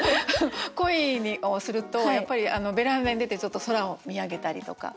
恋をするとベランダに出てちょっと空を見上げたりとか。